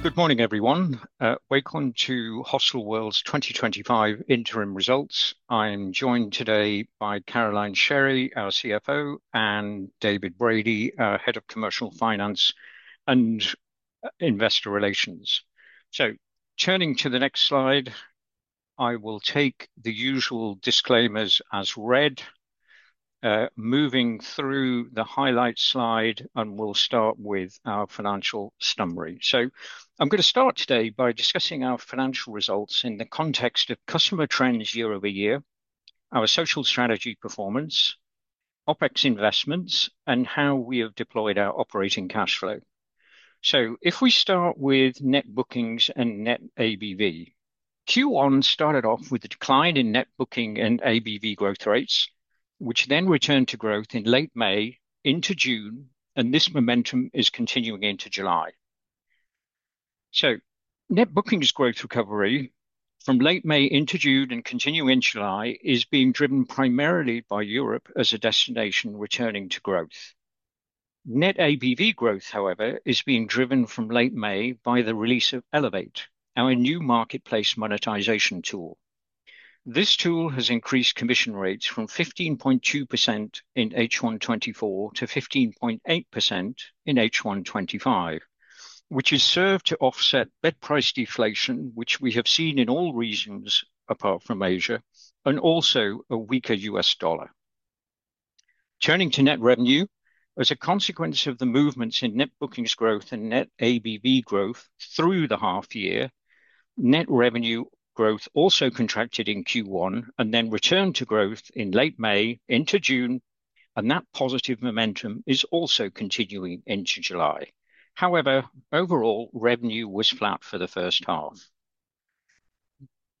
Good morning, everyone. Welcome to Hostelworld's 2025 interim results. I'm joined today by Caroline Sherry, our CFO, and David Brady, our Head of Commercial Finance and Investor Relations. Turning to the next slide, I will take the usual disclaimers as read, moving through the highlight slide, and we'll start with our financial summary. I'm going to start today by discussing our financial results in the context of customer trends year-over-year, our social strategy performance, OpEx investments, and how we have deployed our operating cash flow. If we start with net bookings and net ABV, Q1 started off with a decline in net booking and ABV growth rates, which then returned to growth in late May into June, and this momentum is continuing into July. Net bookings growth recovery from late May into June and continuing in July is being driven primarily by Europe as a destination returning to growth. Net ABV growth, however, is being driven from late May by the release of Elevate, our new marketplace monetization tool. This tool has increased commission rates from 15.2% in H1 2024 to 15.8% in H1 2025, which has served to offset bed price deflation, which we have seen in all regions apart from Asia, and also a weaker U.S. dollar. Turning to net revenue, as a consequence of the movements in net bookings growth and net ABV growth through the half year, net revenue growth also contracted in Q1 and then returned to growth in late May into June, and that positive momentum is also continuing into July. However, overall revenue was flat for the first half.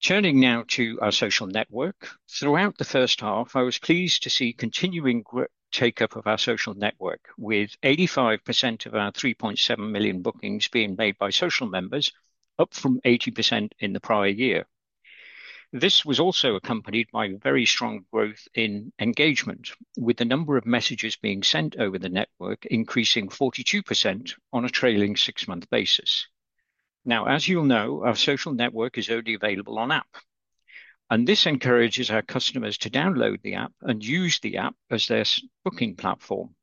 Turning now to our social network, throughout the first half, I was pleased to see continuing take-up of our social network, with 85% of our 3.7 million bookings being made by social members, up from 80% in the prior year. This was also accompanied by very strong growth in engagement, with the number of messages being sent over the network increasing 42% on a trailing six-month basis. As you'll know, our social network is only available on app, and this encourages our customers to download the app and use the app as their booking platform.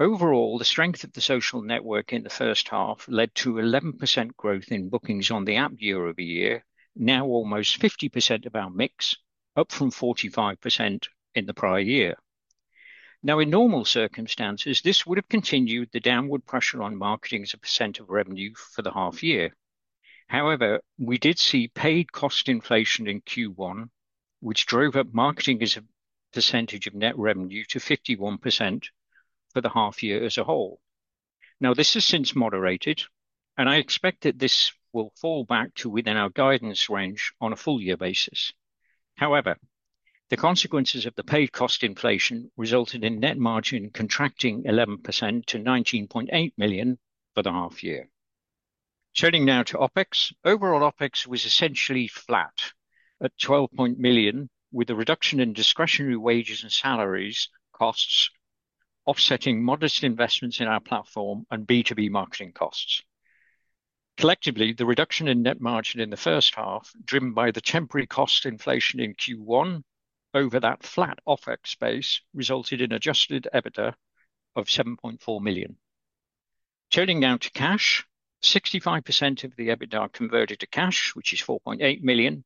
Overall, the strength of the social network in the first half led to 11% growth in bookings on the app year-over-year, now almost 50% of our mix, up from 45% in the prior year. In normal circumstances, this would have continued the downward pressure on marketing as a percent of revenue for the half year. However, we did see paid cost inflation in Q1, which drove up marketing as a percentage of net revenue to 51% for the half year as a whole. This has since moderated, and I expect that this will fall back to within our guidance range on a full-year basis. However, the consequences of the paid cost inflation resulted in net margin contracting 11% to 19.8 million for the half year. Turning now to OpEx, overall OpEx was essentially flat at 12 million, with a reduction in discretionary wages and salaries costs offsetting modest investments in our platform and B2B marketing costs. Collectively, the reduction in net margin in the first half, driven by the temporary cost inflation in Q1 over that flat OpEx space, resulted in an adjusted EBITDA of 7.4 million. Turning now to cash, 65% of the EBITDA converted to cash, which is 4.8 million.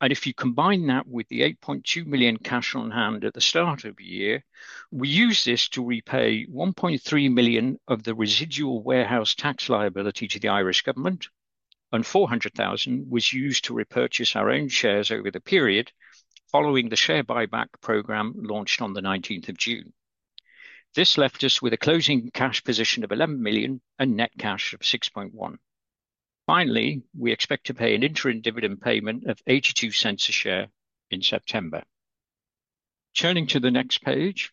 If you combine that with the 8.2 million cash on hand at the start of the year, we used this to repay 1.3 million of the residual warehouse tax liability to the Irish Government, and 400,000 was used to repurchase our own shares over the period following the share buyback program launched on the 19th of June. This left us with a closing cash position of 11 million and net cash of 6.1 million. Finally, we expect to pay an interim dividend payment of 0.82 a share in September. Turning to the next page,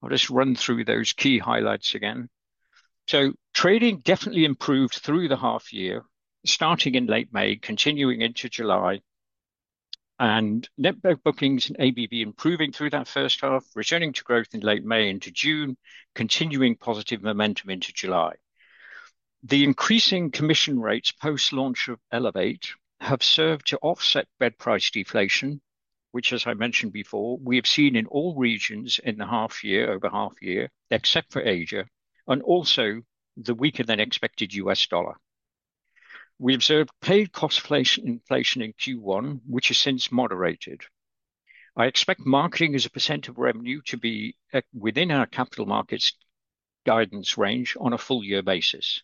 I'll just run through those key highlights again. Trading definitely improved through the half year, starting in late May, continuing into July, and net bookings and ABV improving through that first half, returning to growth in late May into June, continuing positive momentum into July. The increasing commission rates post-launch of Elevate have served to offset bed price deflation, which, as I mentioned before, we have seen in all regions in the half year, over half year, except for Asia, and also the weaker than expected U.S. dollar. We observed paid cost inflation in Q1, which has since moderated. I expect marketing as a percent of revenue to be within our capital markets guidance range on a full-year basis.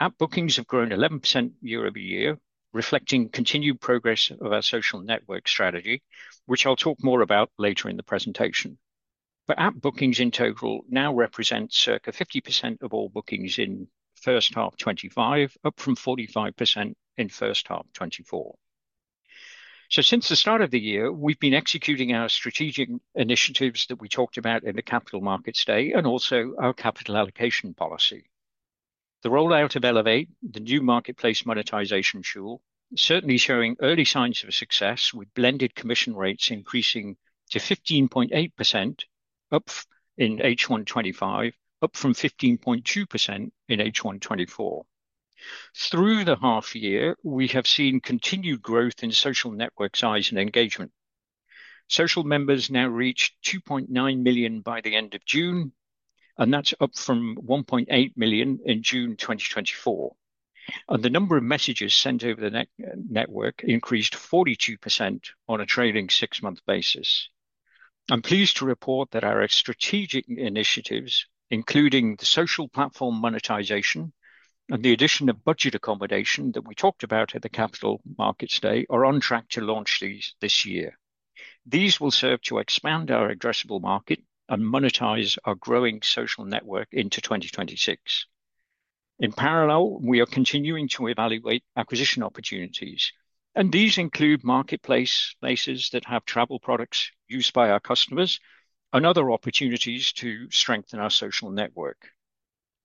App bookings have grown 11% year-over-year, reflecting continued progress of our social network strategy, which I'll talk more about later in the presentation. App bookings in total now represent circa 50% of all bookings in first half 2025, up from 45% in first half 2024. Since the start of the year, we've been executing our strategic initiatives that we talked about in the capital markets day and also our capital allocation policy. The rollout of Elevate, the new marketplace monetization tool, is certainly showing early signs of success, with blended commission rates increasing to 15.8% in H1 2025, up from 15.2% in H1 2024. Through the half year, we have seen continued growth in social network size and engagement. Social members now reach 2.9 million by the end of June, and that's up from 1.8 million in June 2024. The number of messages sent over the network increased 42% on a trailing six-month basis. I'm pleased to report that our strategic initiatives, including the social platform monetization and the addition of budget accommodation that we talked about at the capital markets day, are on track to launch these this year. These will serve to expand our addressable market and monetize our growing social network into 2026. In parallel, we are continuing to evaluate acquisition opportunities, and these include marketplaces that have travel products used by our customers and other opportunities to strengthen our social network.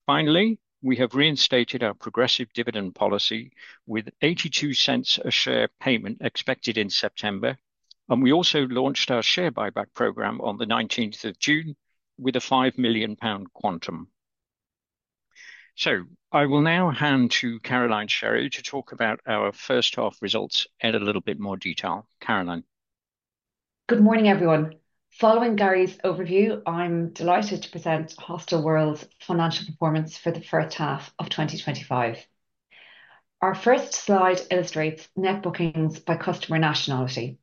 Finally, we have reinstated our progressive dividend policy with a EUR 0.82 per share payment expected in September, and we also launched our share buyback program on June 19 with a 5 million pound quantum. I will now hand to Caroline Sherry to talk about our first half results in a little bit more detail. Caroline. Good morning, everyone. Following Gary's overview, I'm delighted to present Hostelworld's financial performance for the first half of 2025. Our first slide illustrates net bookings by customer nationality.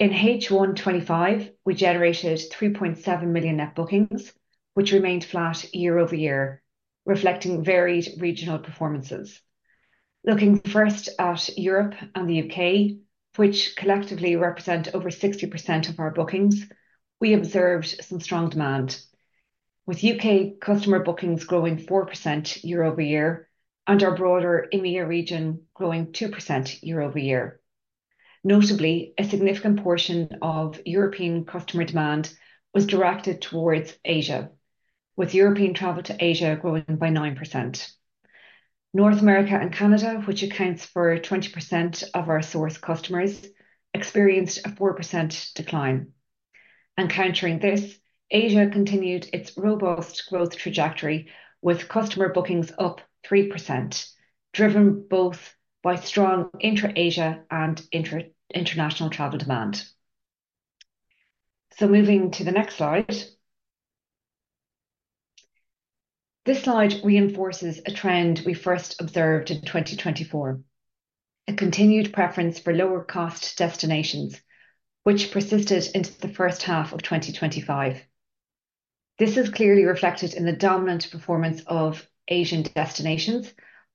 In H1 2025, we generated 3.7 million net bookings, which remained flat year-over-year, reflecting varied regional performances. Looking first at Europe and the U.K., which collectively represent over 60% of our bookings, we observed some strong demand, with U.K. customer bookings growing 4% year-over-year and our broader EMEA region growing 2% year-over-year. Notably, a significant portion of European customer demand was directed towards Asia, with European travel to Asia growing by 9%. North America and Canada, which accounts for 20% of our source customers, experienced a 4% decline. Encountering this, Asia continued its robust growth trajectory, with customer bookings up 3%, driven both by strong intra-Asian and international travel demand. Moving to the next slide, this slide reinforces a trend we first observed in 2024, a continued preference for lower-cost destinations, which persisted into the first half of 2025. This is clearly reflected in the dominant performance of Asian destinations,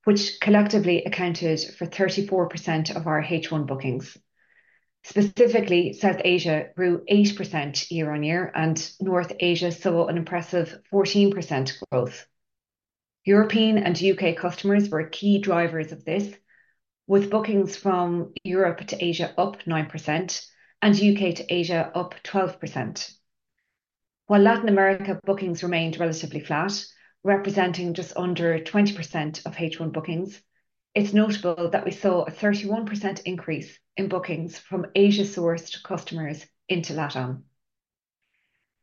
which collectively accounted for 34% of our H1 bookings. Specifically, South Asia grew 8% year-on-year, and North Asia saw an impressive 14% growth. European and U.K. customers were key drivers of this, with bookings from Europe to Asia up 9% and U.K. to Asia up 12%. While Latin America bookings remained relatively flat, representing just under 20% of H1 bookings, it's notable that we saw a 31% increase in bookings from Asia-sourced customers into LatAm.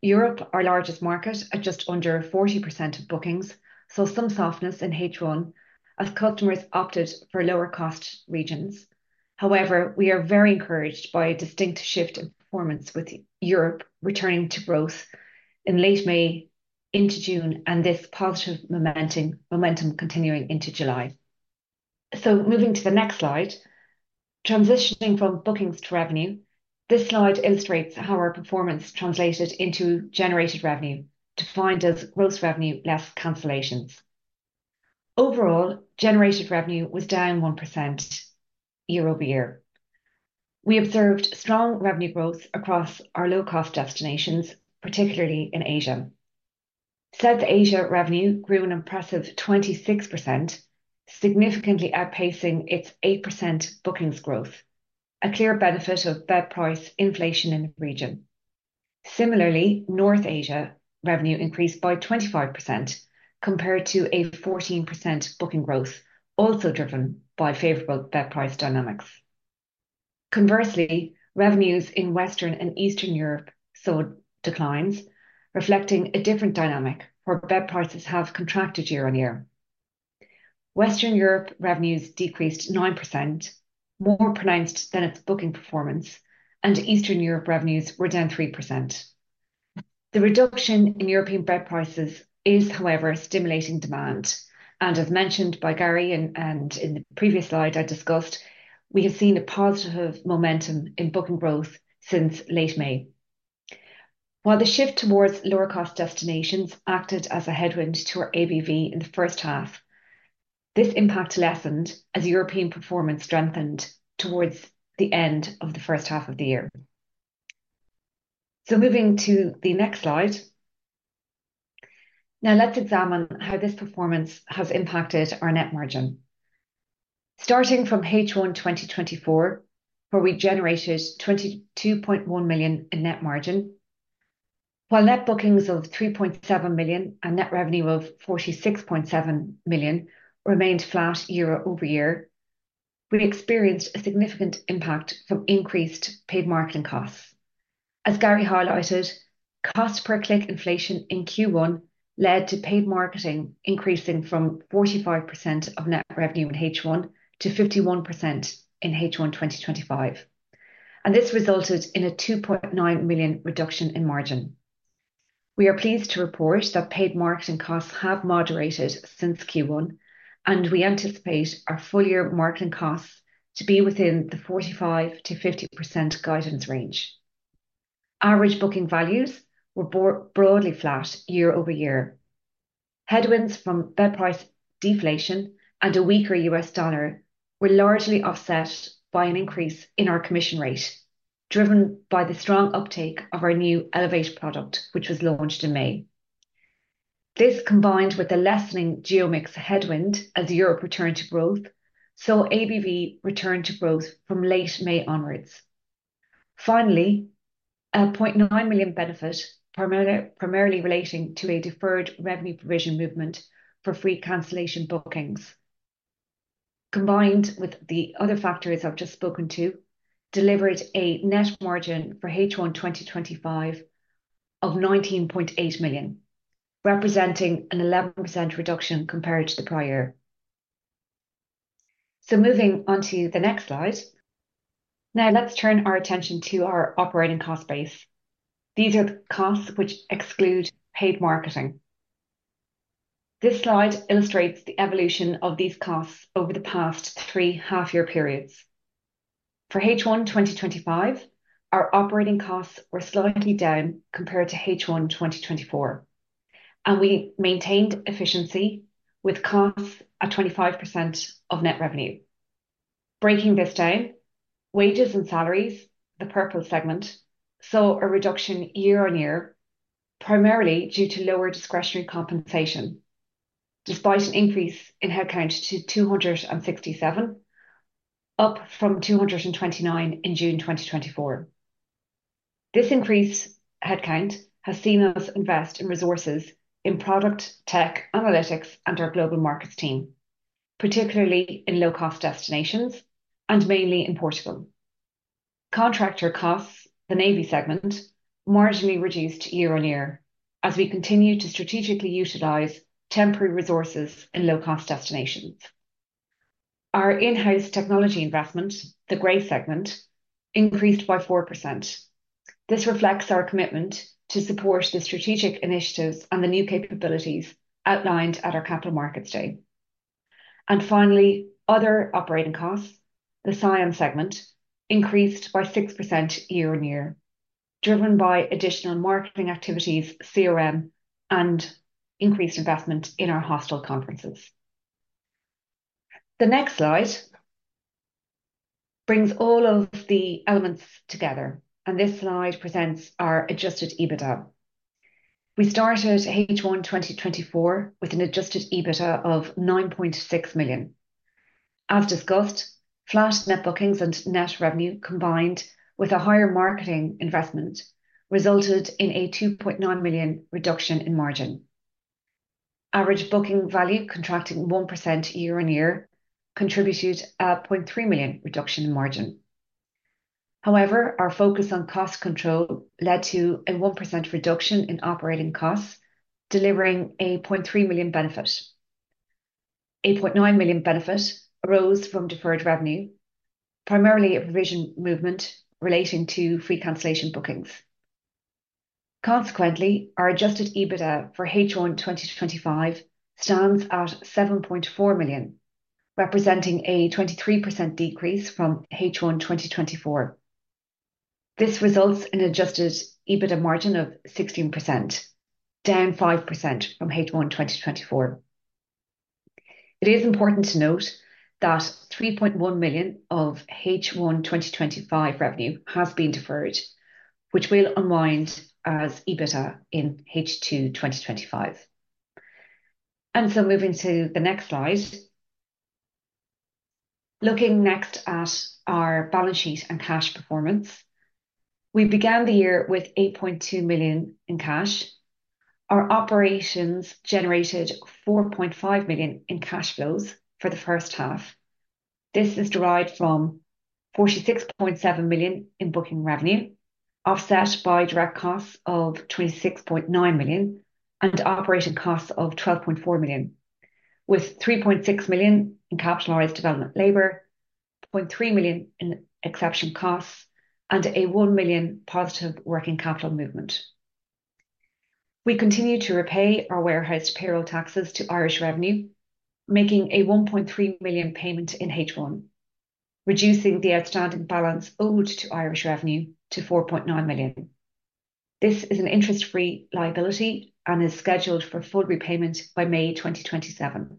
Europe, our largest market, at just under 40% of bookings, saw some softness in H1 as customers opted for lower-cost regions. However, we are very encouraged by a distinct shift in performance, with Europe returning to growth in late May into June and this positive momentum continuing into July. Moving to the next slide, transitioning from bookings to revenue, this slide illustrates how our performance translated into generated revenue, defined as gross revenue less cancellations. Overall, generated revenue was down 1% year-over-year. We observed strong revenue growth across our low-cost destinations, particularly in Asia. South Asia revenue grew an impressive 26%, significantly outpacing its 8% bookings growth, a clear benefit of bed price inflation in the region. Similarly, North Asia revenue increased by 25% compared to a 14% booking growth, also driven by favorable bed price dynamics. Conversely, revenues in Western and Eastern Europe saw declines, reflecting a different dynamic where bed prices have contracted year-on-year. Western Europe revenues decreased 9%, more pronounced than its booking performance, and Eastern Europe revenues were down 3%. The reduction in European bed prices is, however, stimulating demand, and as mentioned by Gary and in the previous slide I discussed, we have seen a positive momentum in booking growth since late May. While the shift towards lower-cost destinations acted as a headwind to our ABV in the first half, this impact lessened as European performance strengthened towards the end of the first half of the year. Now, let's examine how this performance has impacted our net margin. Starting from H1 2024, where we generated 22.1 million in net margin, while net bookings of 3.7 million and net revenue of 46.7 million remained flat year-over-year, we experienced a significant impact from increased paid marketing costs. As Gary highlighted, cost per click inflation in Q1 led to paid marketing increasing from 45% of net revenue in H1 to 51% in H1 2025, and this resulted in a 2.9 million reduction in margin. We are pleased to report that paid marketing costs have moderated since Q1, and we anticipate our full-year marketing costs to be within the 45%-50% guidance range. Average booking values were broadly flat year-over-year. Headwinds from bed price deflation and a weaker U.S. dollar were largely offset by an increase in our commission rate, driven by the strong uptake of our new Elevate product, which was launched in May. This, combined with the lessening geo-mix headwind as Europe returned to growth, saw ABV return to growth from late May onwards. Finally, a 0.9 million benefit primarily relating to a deferred revenue provision movement for free cancellation bookings, combined with the other factors I've just spoken to, delivered a net margin for H1 2025 of 19.8 million, representing an 11% reduction compared to the prior year. Now, let's turn our attention to our operating cost base. These are the costs which exclude paid marketing. This slide illustrates the evolution of these costs over the past three half-year periods. For H1 2025, our operating costs were slightly down compared to H1 2024, and we maintained efficiency with costs at 25% of net revenue. Breaking this down, wages and salaries, the purple segment, saw a reduction year-on-year, primarily due to lower discretionary compensation, despite an increase in headcount to 267, up from 229 in June 2024. This increased headcount has seen us invest in resources in product, tech, analytics, and our global markets team, particularly in low-cost destinations and mainly in Portugal. Contractor costs, the navy segment, marginally reduced year-on-year as we continue to strategically utilize temporary resources in low-cost destinations. Our in-house technology investment, the gray segment, increased by 4%. This reflects our commitment to support the strategic initiatives and the new capabilities outlined at our capital markets day. Finally, other operating costs, the scion segment, increased by 6% year-on-year, driven by additional marketing activities, CRM, and increased investment in our hostel conferences. The next slide brings all of the elements together, and this slide presents our adjusted EBITDA. We started H1 2024 with an adjusted EBITDA of 9.6 million. As discussed, flat net bookings and net revenue combined with a higher marketing investment resulted in a 2.9 million reduction in margin. Average booking value contracting 1% year-on-year contributed a 0.3 million reduction in margin. However, our focus on cost control led to a 1% reduction in operating costs, delivering a 0.3 million benefit. A 0.9 million benefit arose from deferred revenue, primarily a provision movement relating to free cancellation bookings. Consequently, our adjusted EBITDA for H1 2025 stands at 7.4 million, representing a 23% decrease from H1 2024. This results in an adjusted EBITDA margin of 16%, down 5% from H1 2024. It is important to note that 3.1 million of H1 2025 revenue has been deferred, which will unwind as EBITDA in H2 2025. Moving to the next slide. Looking next at our balance sheet and cash performance, we began the year with 8.2 million in cash. Our operations generated 4.5 million in cash flows for the first half. This is derived from 46.7 million in booking revenue, offset by direct costs of 26.9 million and operating costs of 12.4 million, with 3.6 million in capitalized development labor, 0.3 million in exception costs, and a 1 million positive working capital movement. We continue to repay our warehouse payroll taxes to Irish revenue, making a 1.3 million payment in H1, reducing the outstanding balance owed to Irish revenue to 4.9 million. This is an interest-free liability and is scheduled for full repayment by May 2027.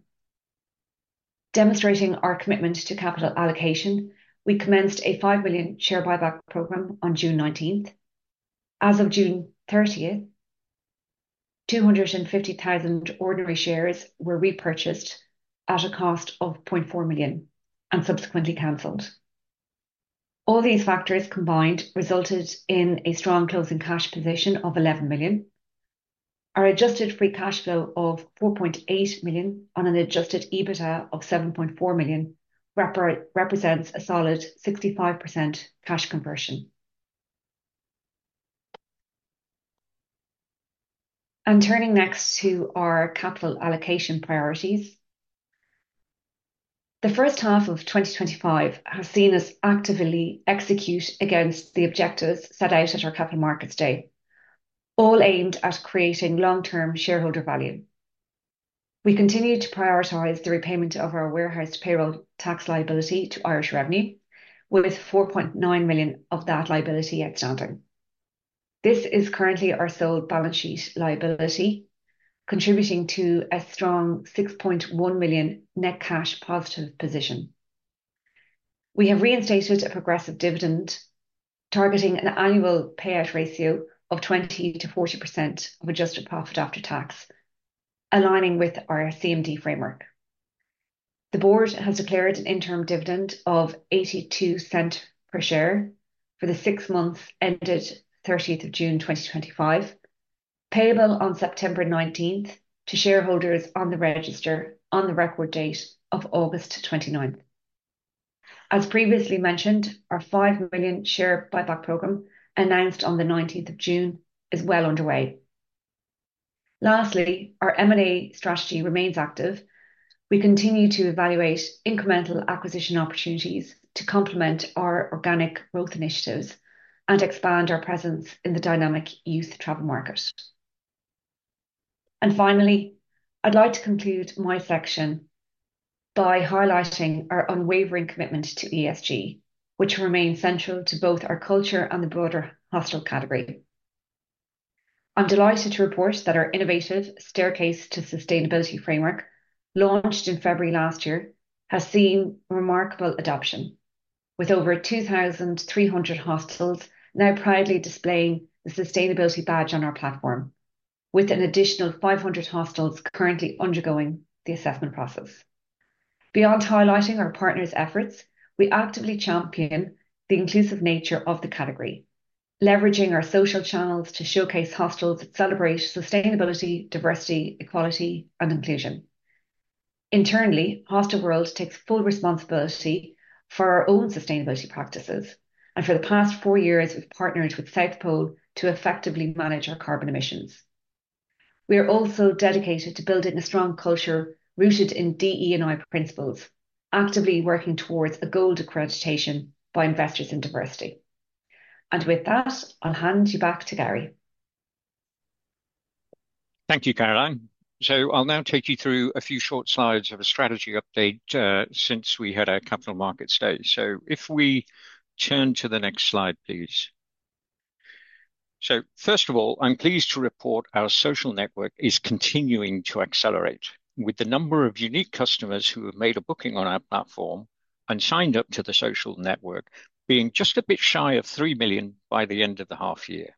Demonstrating our commitment to capital allocation, we commenced a 5 million share buyback program on June 19th. As of June 30th, 250,000 ordinary shares were repurchased at a cost of 0.4 million and subsequently canceled. All these factors combined resulted in a strong closing cash position of 11 million. Our adjusted free cash flow of 4.8 million on an adjusted EBITDA of 7.4 million represents a solid 65% cash conversion. Turning next to our capital allocation priorities, the first half of 2025 has seen us actively execute against the objectives set out at our capital markets day, all aimed at creating long-term shareholder value. We continue to prioritize the repayment of our warehouse payroll tax liability to Irish revenue, with 4.9 million of that liability extended. This is currently our sole balance sheet liability, contributing to a strong 6.1 million net cash positive position. We have reinstated a progressive dividend, targeting an annual payout ratio of 20%-40% of adjusted profit after tax, aligning with our CMD framework. The board has declared an interim dividend of 0.82 per share for the six months ended 30th of June 2025, payable on September 19th to shareholders on the register on the record date of August 29th. As previously mentioned, our 5 million share buyback program, announced on the 19th of June, is well underway. Lastly, our M&A strategy remains active. We continue to evaluate incremental acquisition opportunities to complement our organic growth initiatives and expand our presence in the dynamic youth travel market. Finally, I'd like to conclude my section by highlighting our unwavering commitment to ESG, which remains central to both our culture and the broader hostel category. I'm delighted to report that our innovative staircase to sustainability framework, launched in February last year, has seen remarkable adoption, with over 2,300 hostels now proudly displaying the sustainability badge on our platform, with an additional 500 hostels currently undergoing the assessment process. Beyond highlighting our partners' efforts, we actively champion the inclusive nature of the category, leveraging our social channels to showcase hostels that celebrate sustainability, diversity, equality, and inclusion. Internally, Hostelworld takes full responsibility for our own sustainability practices, and for the past four years, we've partnered with South Pole to effectively manage our carbon emissions. We are also dedicated to building a strong culture rooted in DE&I principles, actively working towards a gold accreditation by Investors in Diversity. With that, I'll hand you back to Gary. Thank you, Caroline. I'll now take you through a few short slides of a strategy update since we had our capital markets day. If we turn to the next slide, please. First of all, I'm pleased to report our social network is continuing to accelerate, with the number of unique customers who have made a booking on our platform and signed up to the social network being just a bit shy of 3 million by the end of the half year.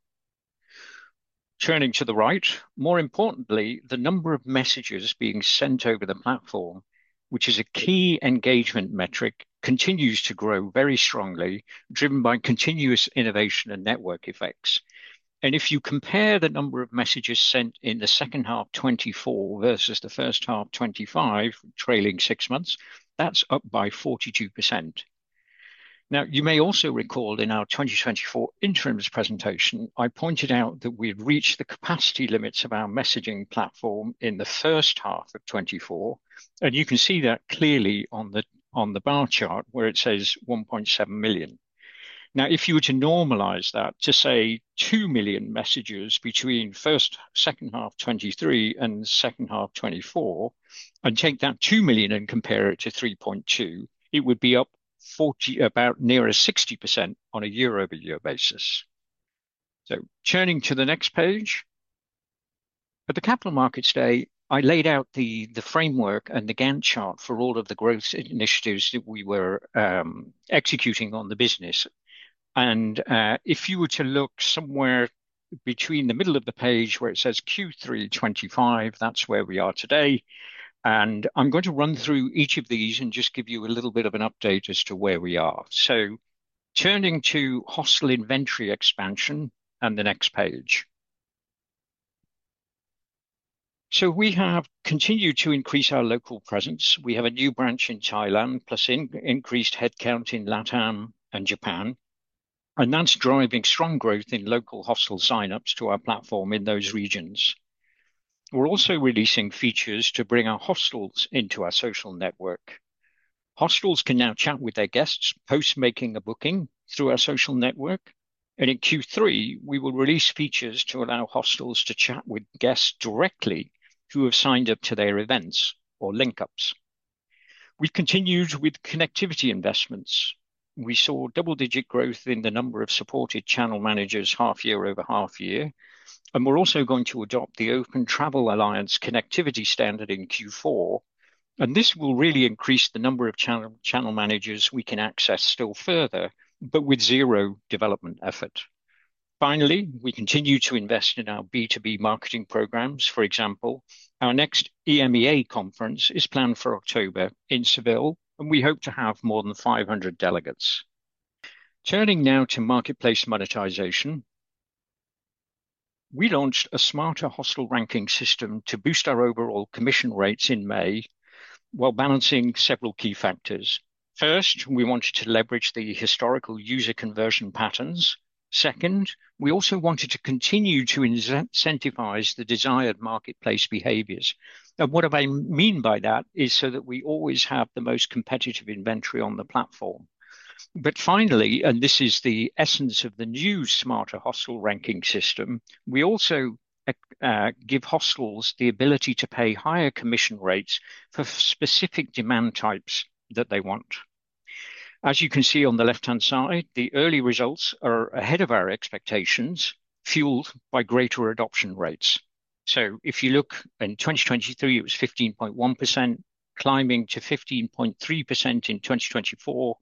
Turning to the right, more importantly, the number of messages being sent over the platform, which is a key engagement metric, continues to grow very strongly, driven by continuous innovation and network effects. If you compare the number of messages sent in the second half 2024 versus the first half 2025, trailing six months, that's up by 42%. You may also recall in our 2024 interims presentation, I pointed out that we had reached the capacity limits of our messaging platform in the first half of 2024, and you can see that clearly on the bar chart where it says 1.7 million. If you were to normalize that to say 2 million messages between first second half 2023 and second half 2024, and take that 2 million and compare it to 3.2 million, it would be up about nearer 60% on a year-over-year basis. At the capital markets day, I laid out the framework and the Gantt chart for all of the growth initiatives that we were executing on the business. If you were to look somewhere between the middle of the page where it says Q3 2025, that's where we are today. I'm going to run through each of these and just give you a little bit of an update as to where we are. Turning to hostel inventory expansion and the next page. We have continued to increase our local presence. We have a new branch in Thailand, plus an increased headcount in LatAm and Japan. That's driving strong growth in local hostel signups to our platform in those regions. We're also releasing features to bring our hostels into our social network. Hostels can now chat with their guests post-making a booking through our social network. In Q3, we will release features to allow hostels to chat with guests directly who have signed up to their events or link-ups. We've continued with connectivity investments. We saw double-digit growth in the number of supported channel managers half year over half year. We're also going to adopt the Open Travel Alliance connectivity standard in Q4. This will really increase the number of channel managers we can access still further, but with zero development effort. Finally, we continue to invest in our B2B marketing programs. For example, our next EMEA conference is planned for October in Seville, and we hope to have more than 500 delegates. Turning now to marketplace monetization. We launched a smarter hostel ranking system to boost our overall commission rates in May while balancing several key factors. First, we wanted to leverage the historical user conversion patterns. Second, we also wanted to continue to incentivize the desired marketplace behaviors. What I mean by that is so that we always have the most competitive inventory on the platform. Finally, and this is the essence of the new smarter hostel ranking system, we also give hostels the ability to pay higher commission rates for specific demand types that they want. As you can see on the left-hand side, the early results are ahead of our expectations, fueled by greater adoption rates. If you look in 2023, it was 15.1%, climbing to 15.3% in 2024.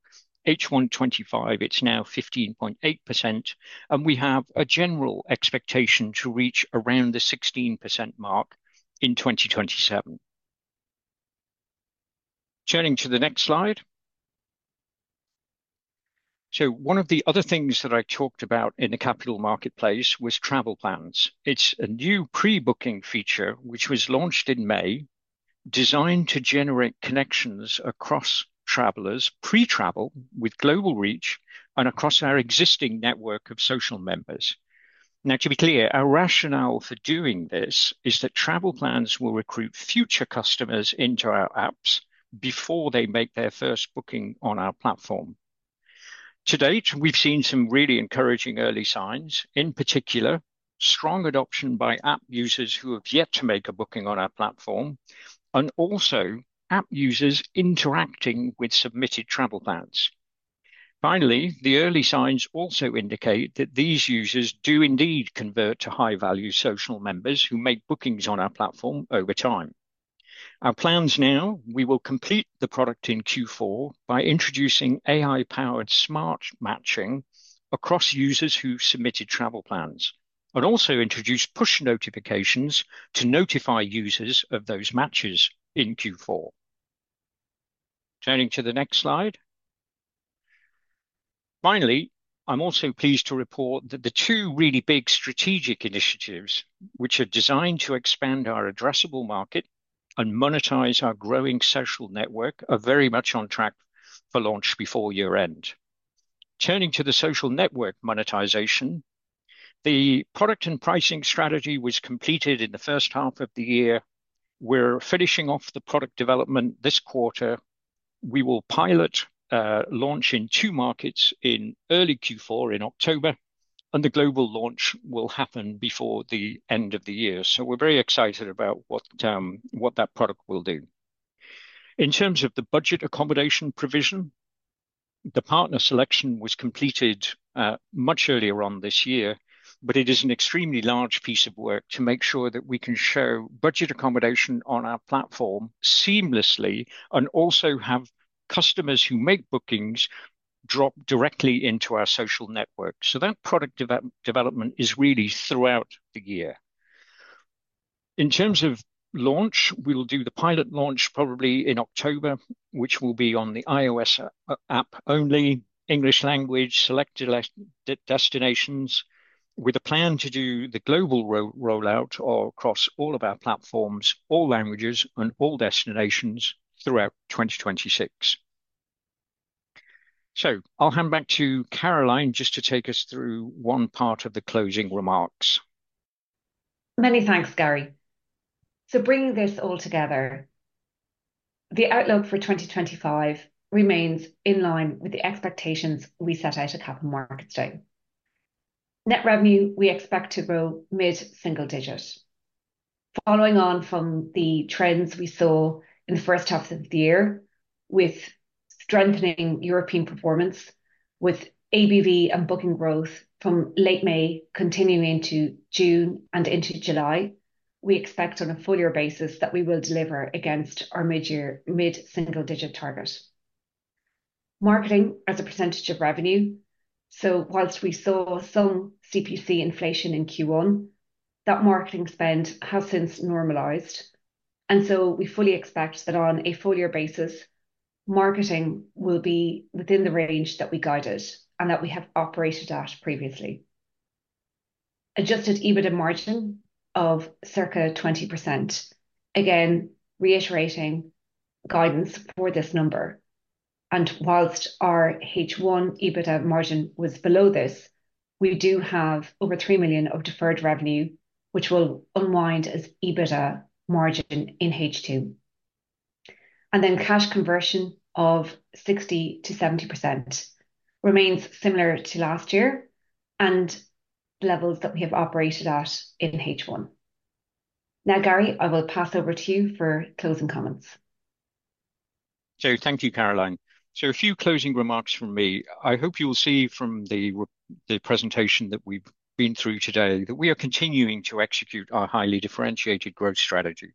H1 2025, it's now 15.8%. We have a general expectation to reach around the 16% mark in 2027. Turning to the next slide. One of the other things that I talked about in the capital marketplace was travel plans. It's a new pre-booking feature, which was launched in May, designed to generate connections across travelers, pre-travel, with global reach, and across our existing network of social members. To be clear, our rationale for doing this is that travel plans will recruit future customers into our apps before they make their first booking on our platform. To date, we've seen some really encouraging early signs, in particular strong adoption by app users who have yet to make a booking on our platform, and also app users interacting with submitted travel plans. The early signs also indicate that these users do indeed convert to high-value social members who make bookings on our platform over time. Our plans now, we will complete the product in Q4 by introducing AI-powered smart matching across users who've submitted travel plans, and also introduce push notifications to notify users of those matches in Q4. Turning to the next slide. Finally, I'm also pleased to report that the two really big strategic initiatives, which are designed to expand our addressable market and monetize our growing social network, are very much on track for launch before year-end. Turning to the social network monetization, the product and pricing strategy was completed in the first half of the year. We're finishing off the product development this quarter. We will pilot a launch in two markets in early Q4 in October, and the global launch will happen before the end of the year. We're very excited about what that product will do. In terms of the budget accommodation provision, the partner selection was completed much earlier on this year, but it is an extremely large piece of work to make sure that we can show budget accommodation on our platform seamlessly and also have customers who make bookings drop directly into our social network. That product development is really throughout the year. In terms of launch, we'll do the pilot launch probably in October, which will be on the iOS app only, English language, selected destinations, with a plan to do the global rollout across all of our platforms, all languages, and all destinations throughout 2026. I'll hand back to Caroline just to take us through one part of the closing remarks. Many thanks, Gary. Bringing this all together, the outlook for 2025 remains in line with the expectations we set out at Capital Markets Day. Net revenue, we expect to grow mid-single digit. Following on from the trends we saw in the first half of the year, with strengthening European performance, with ABV and booking growth from late May continuing into June and into July, we expect on a full-year basis that we will deliver against our mid-single digit target. Marketing as a percentage of revenue, whilst we saw some CPC inflation in Q1, that marketing spend has since normalized, and we fully expect that on a full-year basis, marketing will be within the range that we guided and that we have operated at previously. Adjusted EBITDA margin of circa 20%, again reiterating guidance for this number, whilst our H1 EBITDA margin was below this, we do have over 3 million of deferred revenue, which will unwind as EBITDA margin in H2. Cash conversion of 60%-70% remains similar to last year and levels that we have operated at in H1. Gary, I will pass over to you for closing comments. Thank you, Caroline. A few closing remarks from me. I hope you will see from the presentation that we've been through today that we are continuing to execute our highly differentiated growth strategy.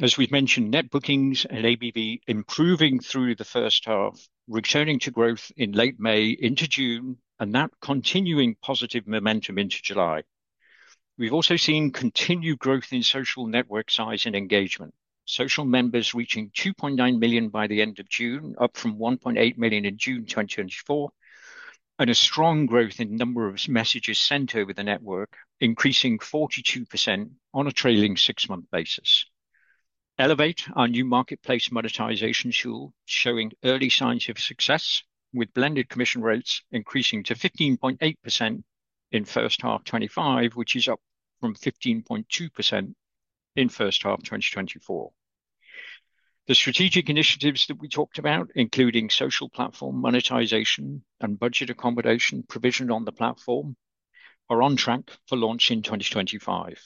As we've mentioned, net bookings and ABV improving through the first half, returning to growth in late May into June, and that continuing positive momentum into July. We've also seen continued growth in social network size and engagement, social members reaching 2.9 million by the end of June, up from 1.8 million in June 2024, and strong growth in the number of messages sent over the network, increasing 42% on a trailing six-month basis. Elevate, our new marketplace monetization tool, showing early signs of success, with blended commission rates increasing to 15.8% in first half 2025, which is up from 15.2% in first half 2024. The strategic initiatives that we talked about, including social platform monetization and budget accommodation provision on the platform, are on track for launch in 2025.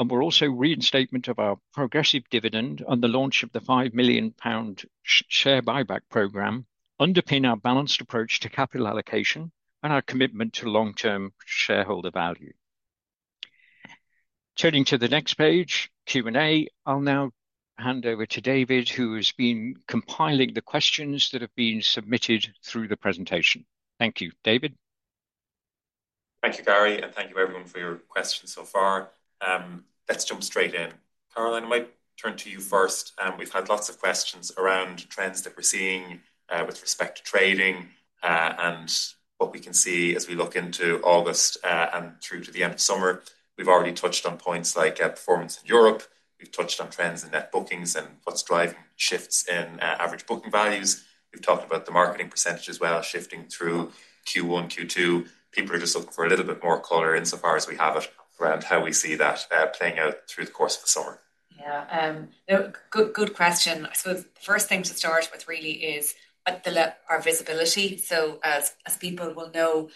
We are also reinstating our progressive dividend and the launch of the 5 million pound share buyback program, underpinning our balanced approach to capital allocation and our commitment to long-term shareholder value. Turning to the next page, Q&A, I'll now hand over to David, who has been compiling the questions that have been submitted through the presentation. Thank you, David. Thank you, Gary, and thank you everyone for your questions so far. Let's jump straight in. Caroline, I might turn to you first. We've had lots of questions around trends that we're seeing with respect to trading and what we can see as we look into August and through to the end of summer. We've already touched on points like performance in Europe. We've touched on trends in net bookings and what's driving shifts in average booking values. We've talked about the marketing percentage as well, shifting through Q1, Q2. People are just looking for a little bit more color insofar as we have it around how we see that playing out through the course of the summer. Good question. The first thing to start with really is our visibility. As people will know,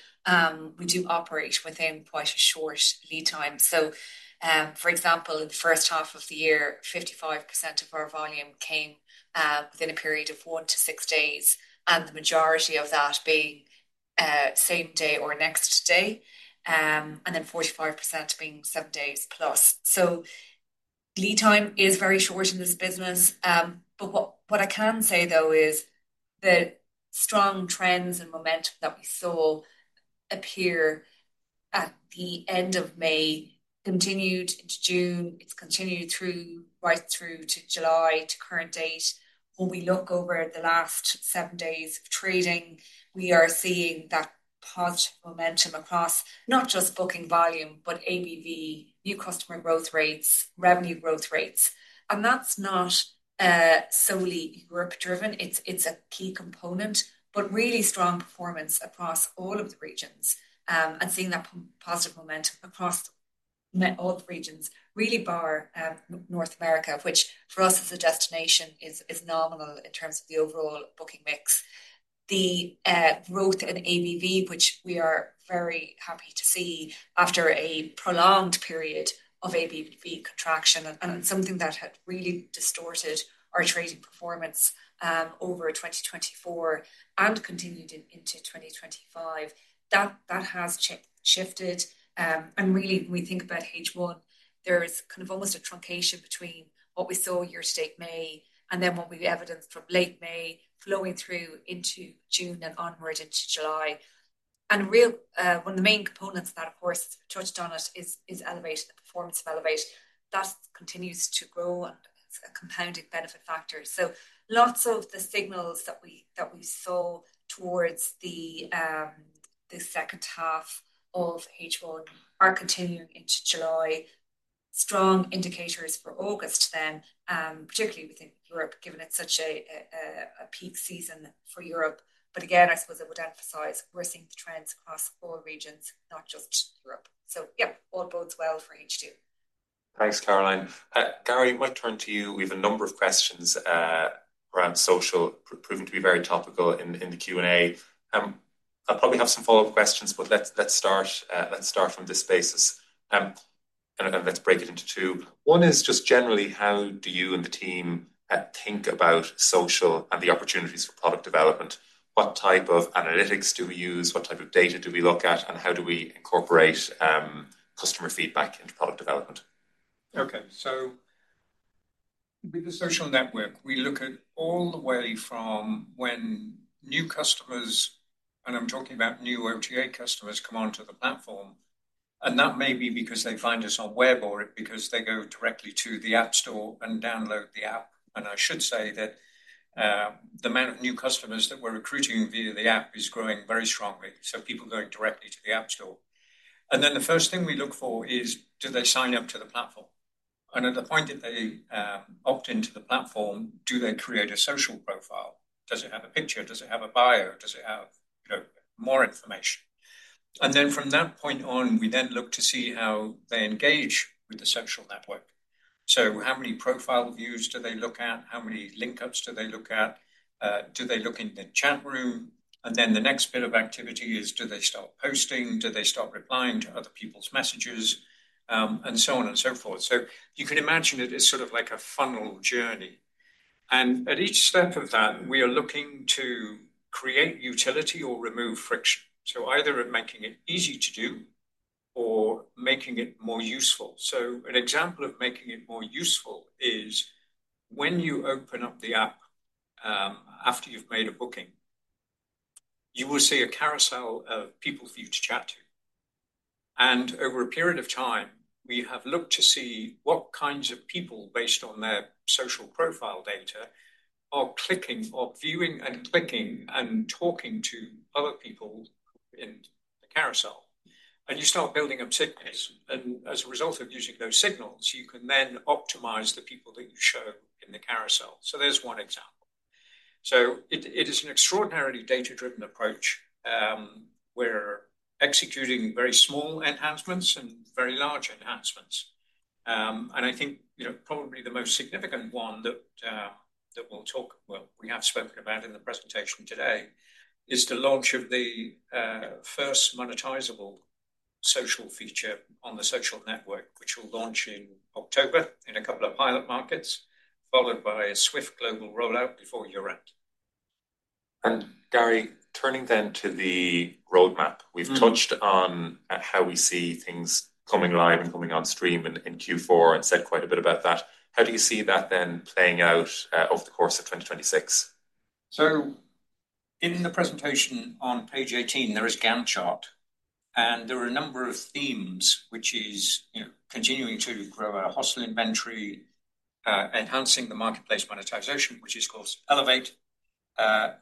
we do operate within quite a short lead time. For example, the first half of the year, 55% of our volume came within a period of four to six days, and the majority of that being same day or next day, and then 45% being seven days plus. Lead time is very short in this business. What I can say, though, is the strong trends and momentum that we saw appear at the end of May continued into June, continued right through to July to current date. When we look over the last seven days of trading, we are seeing that positive momentum across not just booking volume, but ABV, new customer growth rates, revenue growth rates. That's not solely Europe-driven. It's a key component, but really strong performance across all of the regions. I've seen that positive momentum across all the regions, really bar North America, which for us as a destination is nominal in terms of the overall booking mix. The growth in ABV, which we are very happy to see after a prolonged period of ABV contraction, and something that had really distorted our trading performance over 2024 and continued into 2025, that has shifted. When we think about H1, there's kind of almost a truncation between what we saw year-to-date May and then what we evidenced from late May flowing through into June and onward into July. One of the main components of that, of course, touched on it, is Elevate, the performance of Elevate. That continues to grow and is a compounded benefit factor. Lots of the signals that we saw towards the second half of H1 are continuing into July. Strong indicators for August then, particularly within Europe, given it's such a peak season for Europe. I would emphasize we're seeing the trends across all regions, not just Europe. All bodes well for H2. Thanks, Caroline. Gary, I might turn to you. We have a number of questions around social, proving to be very topical in the Q&A. I probably have some follow-up questions, but let's start from this basis. Let's break it into two. One is just generally, how do you and the team think about social and the opportunities for product development? What type of analytics do we use? What type of data do we look at? How do we incorporate customer feedback into product development? Okay, with the social network, we look at all the way from when new customers, and I'm talking about new OTA customers, come onto the platform. That may be because they find us on web or because they go directly to the app store and download the app. I should say that the amount of new customers that we're recruiting via the app is growing very strongly. People go directly to the app store. The first thing we look for is, do they sign up to the platform? At the point that they opt into the platform, do they create a social profile? Does it have a picture? Does it have a bio? Does it have more information? From that point on, we then look to see how they engage with the social network. How many profile views do they look at? How many link-ups do they look at? Do they look in the chat room? The next bit of activity is, do they start posting? Do they start replying to other people's messages? You can imagine it is sort of like a funnel journey. At each step of that, we are looking to create utility or remove friction, either making it easy to do or making it more useful. An example of making it more useful is when you open up the app after you've made a booking, you will see a carousel of people for you to chat to. Over a period of time, we have looked to see what kinds of people, based on their social profile data, are clicking or viewing and clicking and talking to other people in the carousel. You start building up signals. As a result of using those signals, you can then optimize the people that you show in the carousel. There's one example. It is an extraordinarily data-driven approach. We're executing very small enhancements and very large enhancements. I think probably the most significant one that we'll talk about, we have spoken about in the presentation today, is the launch of the first monetizable social feature on the social network, which will launch in October in a couple of pilot markets, followed by a swift global rollout before year-end. Gary, turning then to the roadmap, we've touched on how we see things coming live and coming on stream in Q4 and said quite a bit about that. How do you see that then playing out over the course of 2026? In the presentation on page 18, there is a Gantt chart. There are a number of themes, which are continuing to grow our hostel inventory, enhancing the marketplace monetization, which is, of course, Elevate,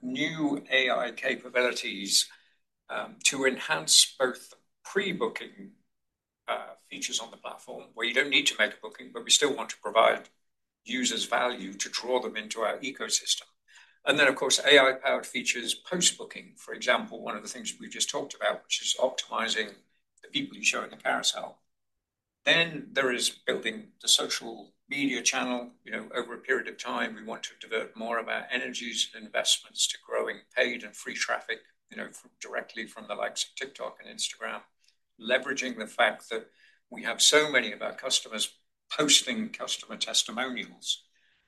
new AI capabilities to enhance both pre-booking features on the platform, where you don't need to make a booking, but we still want to provide users value to draw them into our ecosystem. Of course, AI-powered features post-booking, for example, one of the things that we've just talked about, which is optimizing the people you show in the carousel. There is building the social media channel. Over a period of time, we want to divert more of our energies and investments to growing paid and free traffic, directly from the likes of TikTok and Instagram, leveraging the fact that we have so many of our customers posting customer testimonials.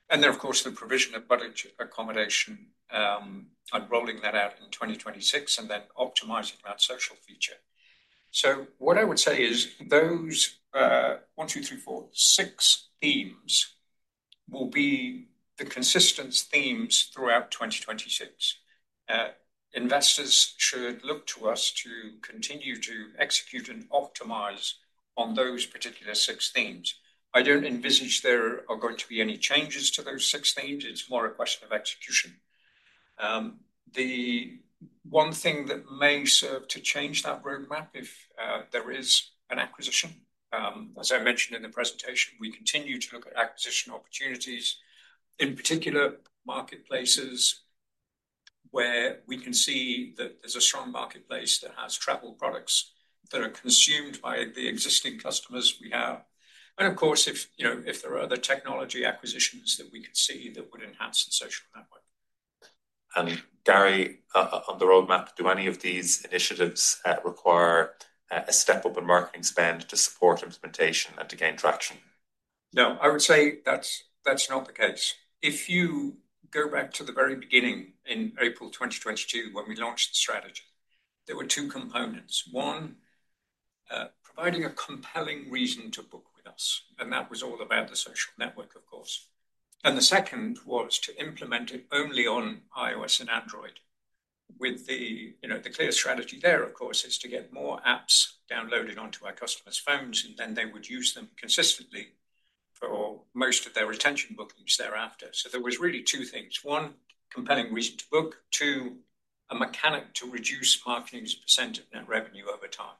The provision of budget accommodation and rolling that out in 2026 and then optimizing that social feature. What I would say is those one, two, three, four, six themes will be the consistent themes throughout 2026. Investors should look to us to continue to execute and optimize on those particular six themes. I don't envisage there are going to be any changes to those six themes. It's more a question of execution. The one thing that may serve to change that roadmap if there is an acquisition, as I mentioned in the presentation, we continue to look at acquisition opportunities, in particular marketplaces where we can see that there's a strong marketplace that has travel products that are consumed by the existing customers we have. Of course, if there are other technology acquisitions that we can see that would enhance the social network. Gary, on the roadmap, do any of these initiatives require a step-up in marketing spend to support implementation and to gain traction? No, I would say that's not the case. If you go back to the very beginning in April 2022, when we launched the strategy, there were two components. One, providing a compelling reason to book with us, and that was all about the social network, of course. The second was to implement it only on iOS and Android, with the clear strategy there, of course, to get more apps downloaded onto our customers' phones, and then they would use them consistently or most of their retention bookings thereafter. There were really two things. One, a compelling reason to book. Two, a mechanic to reduce marketing user percent net revenue over time.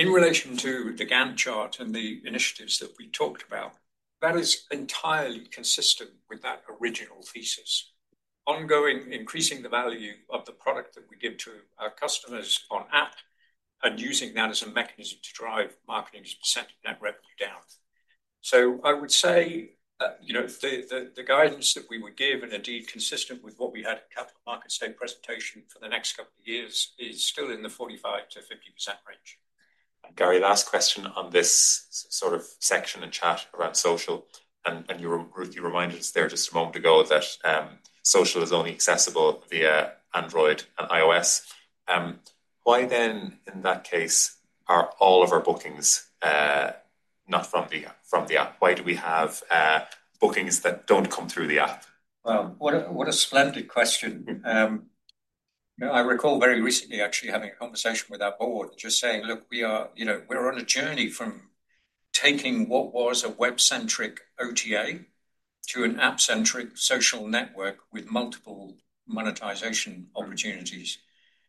In relation to the Gantt chart and the initiatives that we talked about, that is entirely consistent with that original thesis. Ongoing, increasing the value of the product that we give to our customers on app and using that as a mechanism to drive marketing % net revenue down. I would say the guidance that we would give, and indeed consistent with what we had at the capital markets day presentation for the next couple of years, is still in the 45%-50% range. Gary, last question on this section and chat about social, you reminded us there just a moment ago that social is only accessible via Android and iOS. Why, in that case, are all of our bookings not from the app? Why do we have bookings that don't come through the app? That is a splendid question. I recall very recently actually having a conversation with our board, just saying, look, we're on a journey from taking what was a web-centric OTA to an app-centric social network with multiple monetization opportunities.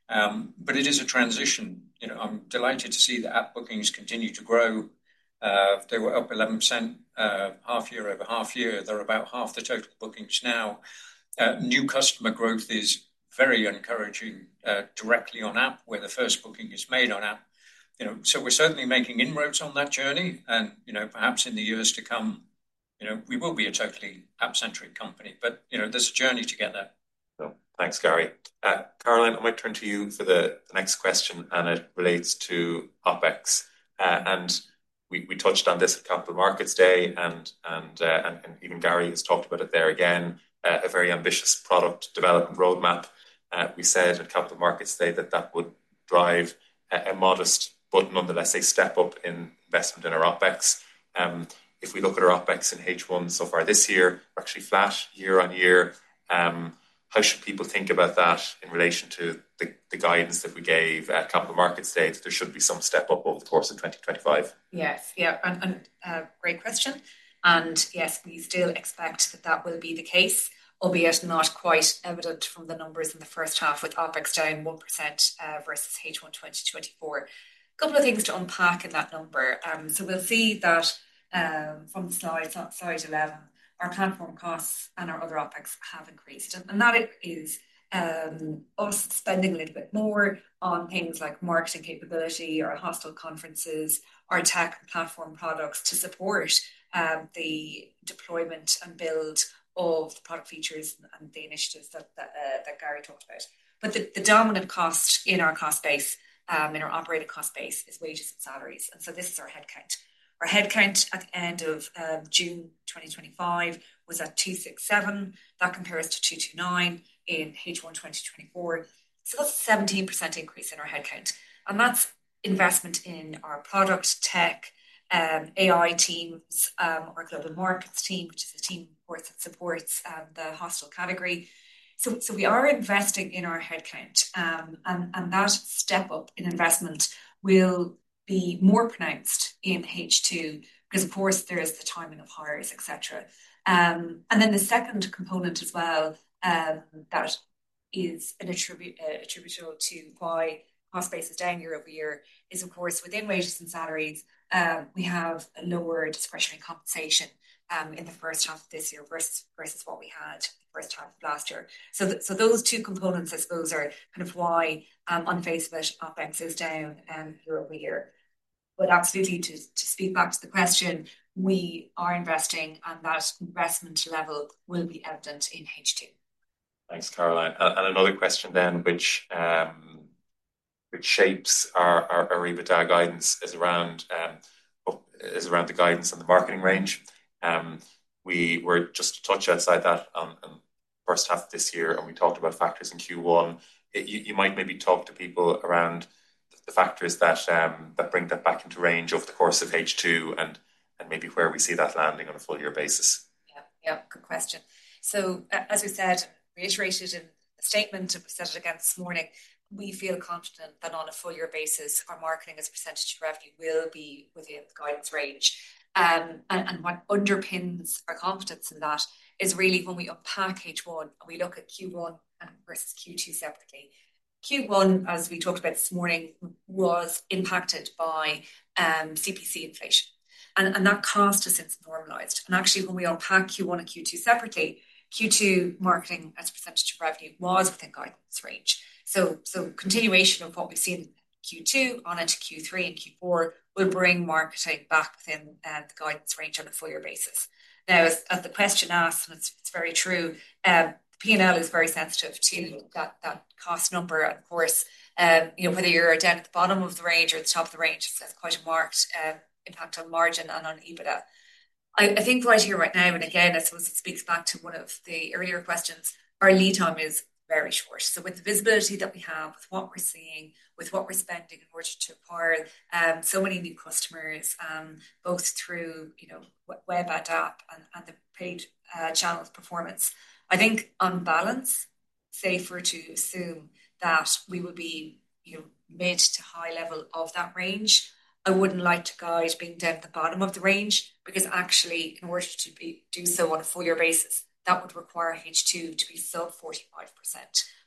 It is a transition. I'm delighted to see the app bookings continue to grow. They were up 11% half year over half year. They're about half the total bookings now. New customer growth is very encouraging directly on app, where the first booking is made on app. We're certainly making inroads on that journey, and perhaps in the years to come, we will be a totally app-centric company, but there's a journey to get there. Thanks, Gary. Caroline, I might turn to you for the next question, and it relates to OpEx. We touched on this at Capital Markets Day, and even Gary has talked about it there again, a very ambitious product development roadmap. We said at Capital Markets Day that that would drive a modest, but nonetheless, a step-up in investment in our OpEx. If we look at our OpEx in H1 so far this year, actually flat year-on-year, how should people think about that in relation to the guidance that we gave at Capital Markets Day that there should be some step-up over the course of 2025? Yes, yeah, great question. Yes, we still expect that that will be the case, albeit not quite evident from the numbers in the first half with OpEx down 1% versus H1 2024. A couple of things to unpack in that number. You'll see that from size up size 11, our platform costs and our other OpEx have increased. That is us spending a little bit more on things like marketing capability or hostel conferences, our tech platform products to support the deployment and build of the product features and the initiatives that Gary talked about. The dominant cost in our cost base, in our operating cost base, is wages and salaries. This is our headcount. Our headcount at the end of June 2025 was at 267. That compares to 229 in H1 2024. That's a 17% increase in our headcount. That's investment in our product, tech, AI teams, our global markets team, which is a team that supports the hostel category. We are investing in our headcount. That step-up in investment will be more pronounced in H2 because, of course, there is the timing of hires, etc. The second component as well, that is attributable to why cost base is down year-over-year, is, of course, within wages and salaries, we have a lower discretionary compensation in the first half of this year versus what we had first half of last year. Those two components, I suppose, are kind of why, on face of it, OpEx is down year-over-year. Absolutely, to speak back to the question, we are investing, and that investment level will be evident in H2. Thanks, Caroline. Another question, which shapes our EBITDA guidance, is around the guidance and the marketing range. We were just touching outside that on the first half of this year, and we talked about factors in Q1. You might maybe talk to people around the factors that bring that back into range over the course of H2 and maybe where we see that landing on a full-year basis. Yeah, good question. As we said, reiterated in a statement, I've said it again this morning, we feel confident that on a full-year basis, our marketing as a percentage of revenue will be within the guidance range. What underpins our confidence in that is really when we unpack H1 and we look at Q1 versus Q2 separately. Q1, as we talked about this morning, was impacted by CPC inflation. That cost has since normalized. Actually, when we unpack Q1 and Q2 separately, Q2 marketing as a percentage of revenue was within guidance range. Continuation of what we see in Q2 on it to Q3 and Q4 will bring marketing back within the guidance range on a full-year basis. As the question asked, and it's very true, P&L is very sensitive to that cost number. Of course, whether you're down at the bottom of the range or at the top of the range, it has quite a marked impact on margin and on EBITDA. I think right here, right now, and again, I suppose it speaks back to one of the earlier questions, our lead time is very short. With the visibility that we have, with what we're seeing, with what we're spending in order to acquire so many new customers, both through web, app, and the paid channels performance, I think on balance, it's safer to assume that we will be mid to high level of that range. I wouldn't like to guide being down at the bottom of the range because actually, in order to do so on a full-year basis, that would require H2 to be sub 45%,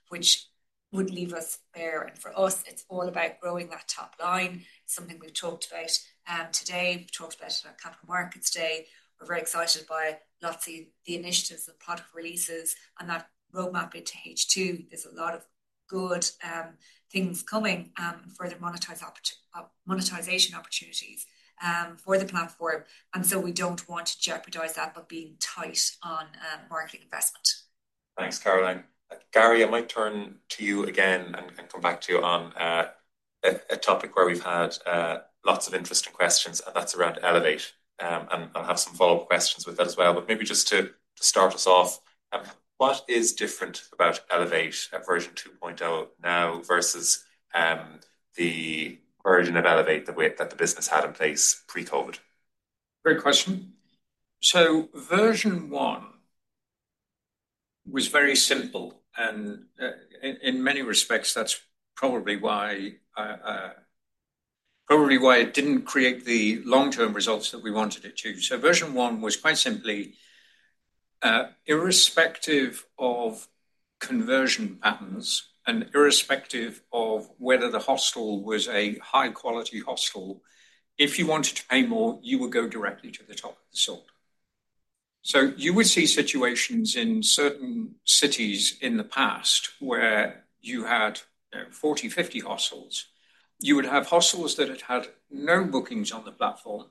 which would leave us bare. For us, it's all about growing that top line, something we've talked about today. We've talked about it at Capital Markets Day. We're very excited by a lot of the initiatives of product releases and that roadmap into H2. There's a lot of good things coming and further monetization opportunities for the platform. We don't want to jeopardize that by being tight on market investment. Thanks, Caroline. Gary, I might turn to you again and come back to you on a topic where we've had lots of interesting questions, and that's around Elevate. I'll have some follow-up questions with that as well. Maybe just to start us off, what is different about Elevate at version 2.0 now versus the version of Elevate that the business had in place pre-COVID? Great question. Version one was very simple. In many respects, that's probably why it didn't create the long-term results that we wanted it to. Version one was quite simply irrespective of conversion patterns and irrespective of whether the hostel was a high-quality hostel. If you wanted to pay more, you would go directly to the top of the sort. You would see situations in certain cities in the past where you had 40, 50 hostels. You would have hostels that had had no bookings on the platform,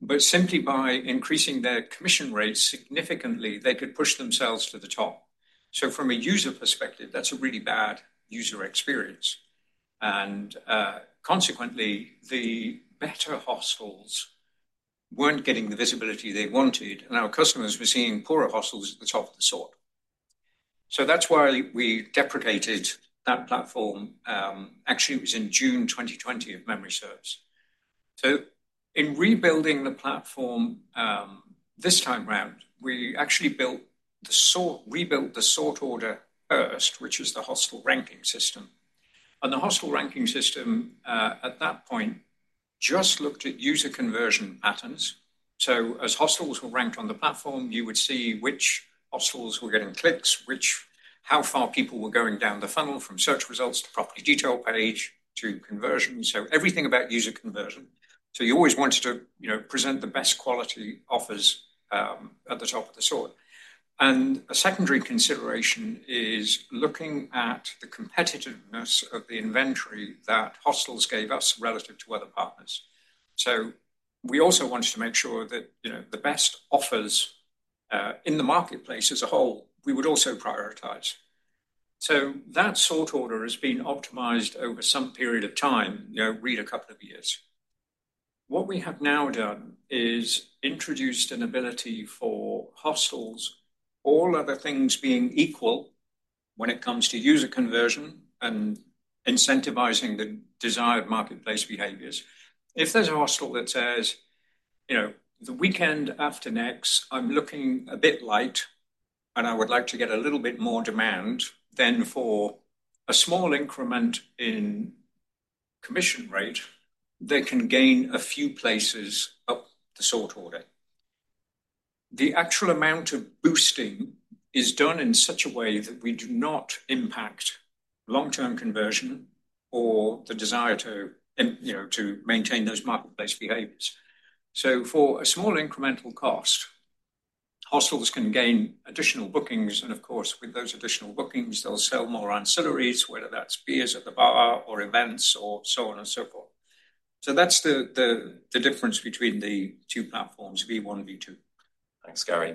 but simply by increasing their commission rates significantly, they could push themselves to the top. From a user perspective, that's a really bad user experience. Consequently, the better hostels weren't getting the visibility they wanted, and our customers were seeing poorer hostels at the top of the sort. That's why we deprecated that platform. Actually, it was in June 2020 if memory serves. In rebuilding the platform this time around, we actually rebuilt the sort order first, which is the hostel ranking system. The hostel ranking system at that point just looked at user conversion patterns. As hostels were ranked on the platform, you would see which hostels were getting clicks, how far people were going down the funnel from search results to property detail page to conversion. Everything about user conversion. You always wanted to present the best quality offers at the top of the sort. A secondary consideration is looking at the competitiveness of the inventory that hostels gave us relative to other partners. We also wanted to make sure that the best offers in the marketplace as a whole, we would also prioritize. That sort order has been optimized over some period of time, read a couple of years. What we have now done is introduced an ability for hostels, all other things being equal, when it comes to user conversion and incentivizing the desired marketplace behaviors. If there's a hostel that says, you know, the weekend after next, I'm looking a bit light, and I would like to get a little bit more demand, then for a small increment in commission rate, they can gain a few places up the sort order. The actual amount of boosting is done in such a way that we do not impact long-term conversion or the desire to maintain those marketplace behaviors. For a small incremental cost, hostels can gain additional bookings, and of course, with those additional bookings, they'll sell more ancillaries, whether that's beers at the bar or events or so on and so forth. That's the difference between the two platforms, V1, V2. Thanks, Gary.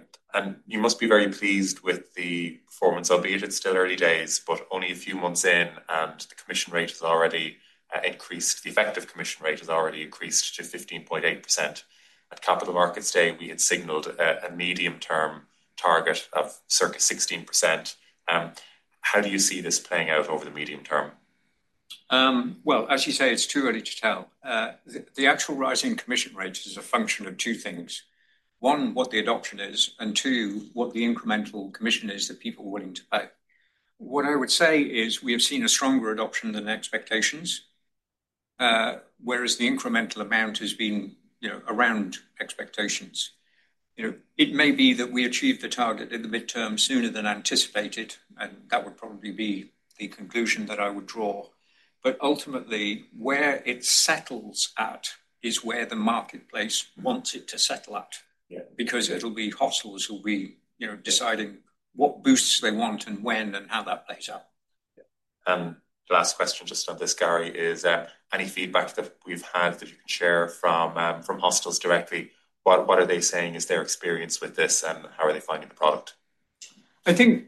You must be very pleased with the performance, albeit it's still early days, but only a few months in, and the commission rate has already increased. The effective commission rate has already increased to 15.8%. At Capital Markets Day, we had signaled a medium-term target of circa 16%. How do you see this playing out over the medium-term? It is too early to tell. The actual rising commission rate is a function of two things. One, what the adoption is, and two, what the incremental commission is that people are willing to pay. What I would say is we have seen a stronger adoption than expectations, whereas the incremental amount has been around expectations. It may be that we achieve the target in the midterm sooner than anticipated, and that would probably be the conclusion that I would draw. Ultimately, where it settles at is where the marketplace wants it to settle at, because it will be hostels who will be deciding what boosts they want and when and how that plays out. The last question just on this, Gary, is any feedback that we've had to share from hostels directly? What are they saying is their experience with this, and how are they finding the product? I think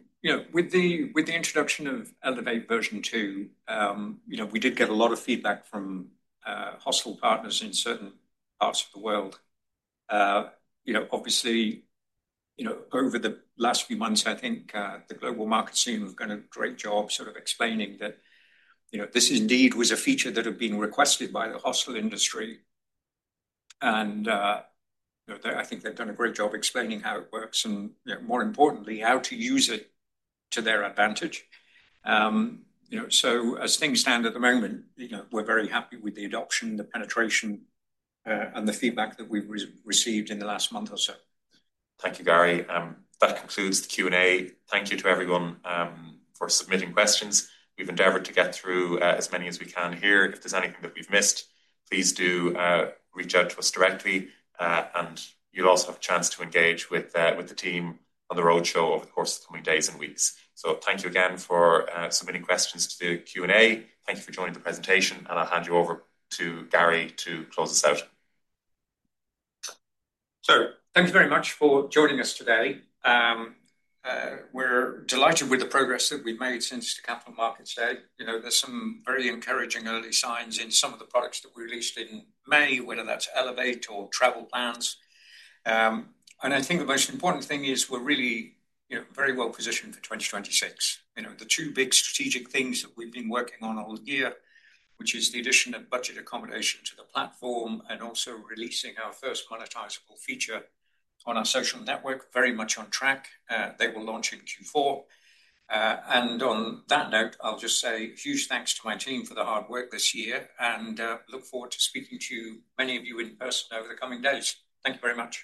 with the introduction of Elevate version two, we did get a lot of feedback from hostel partners in certain parts of the world. Obviously, over the last few months, I think the global market team has done a great job explaining that this indeed was a feature that had been requested by the hostel industry. I think they've done a great job explaining how it works and, more importantly, how to use it to their advantage. As things stand at the moment, we're very happy with the adoption, the penetration, and the feedback that we've received in the last month or so. Thank you, Gary. That concludes the Q&A. Thank you to everyone for submitting questions. We've endeavored to get through as many as we can here. If there's anything that we've missed, please do reach out to us directly. You'll also have a chance to engage with the team on the roadshow over the course of the coming days and weeks. Thank you again for submitting questions to the Q&A. Thank you for joining the presentation. I'll hand you over to Gary to close this out. Thank you very much for joining us today. We're delighted with the progress that we've made since the Capital Markets Day. There are some very encouraging early signs in some of the products that we released in May, whether that's Elevate or travel plans. I think the most important thing is we're really very well positioned for 2026. The two big strategic things that we've been working on all year, which are the addition of budget accommodation to the platform and also releasing our first monetizable feature on our social network, are very much on track. They will launch in Q4. On that note, I'll just say huge thanks to my team for the hard work this year and look forward to speaking to many of you in person over the coming days. Thank you very much.